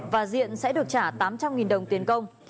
và diện sẽ được trả tám trăm linh đồng tiền công